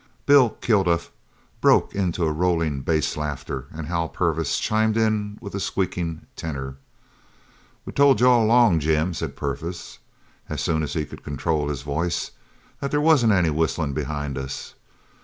Bill Kilduff broke into rolling bass laughter, and Hal Purvis chimed in with a squeaking tenor. "We told you all along, Jim," said Purvis, as soon as he could control his voice, "that there wasn't any whistlin' behind us.